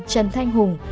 trần thanh hùng